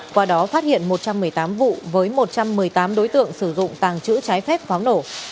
qua đó phát hiện một trăm một mươi tám vụ với một trăm một mươi tám đối tượng sử dụng tàng chữ trái phép pháo nổ